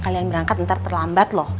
kalian berangkat ntar terlambat loh